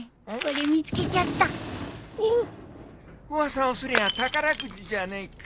噂をすりゃ宝くじじゃねえか。